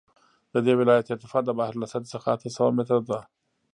د دې ولایت ارتفاع د بحر له سطحې څخه اته سوه متره ده